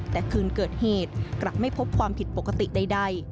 แต่คืนเกิดเหตุกลับไม่พบความผิดปกติใด